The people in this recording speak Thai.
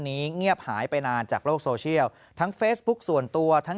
เงียบหายไปนานจากโลกโซเชียลทั้งเฟซบุ๊คส่วนตัวทั้ง